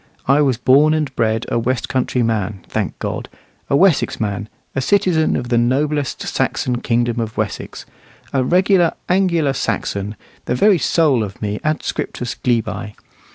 I was born and bred a west country man, thank God! a Wessex man, a citizen of the noblest Saxon kingdom of Wessex, a regular "Angular Saxon," the very soul of me adscriptus glebae.